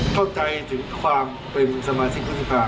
เข้าใจถึงความเป็นสมาชิกผู้สิทธิ์ภาค